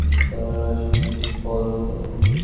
তোমার রহস্যটা কী বলো তো?